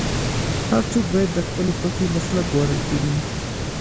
هر څوک باید د خپلې خوښې مسلک غوره کړي.